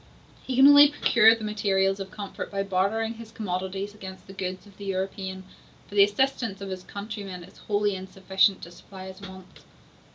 He can only procure the materials of comfort by bartering his commodities against the goods of the European, for the assistance of his countrymen is wholly insufficient to supply his wants.